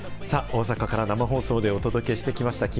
大阪から生放送でお届けしてきました